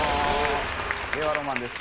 令和ロマンです。